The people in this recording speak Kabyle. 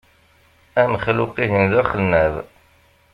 Amexluq-ihin d axennab.